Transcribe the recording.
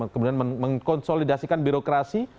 kemudian mengkonsolidasikan birokrasi